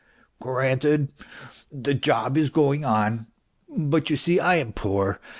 . granted the job is going on, but you see I am poor.